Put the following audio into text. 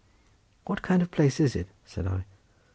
"What kind of place is it?" said I.